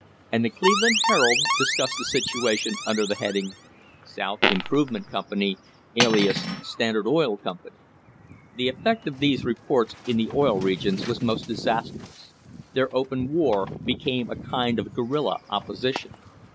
And the Cleveland Herald discussed the situation under the heading, "South Improvement Company alias Standard Oil Company." The effect of these reports in the Oil Regions was most disastrous. Their open war became a kind of guerilla opposition.